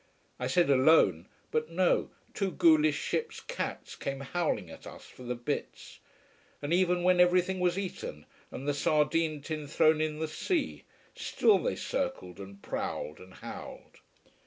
I said alone: but no, two ghoulish ship's cats came howling at us for the bits. And even when everything was eaten, and the sardine tin thrown in the sea, still they circled and prowled and howled.